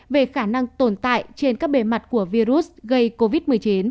về khả năng tồn tại trên các bề mặt của virus gây covid một mươi chín